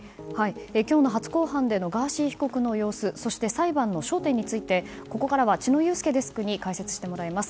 今日の初公判でのガーシー被告の様子そして、裁判の焦点についてここからは知野雄介デスクに解説してもらいます。